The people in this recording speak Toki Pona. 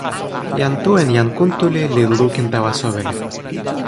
jan Tu en jan Kuntuli li lukin tawa soweli.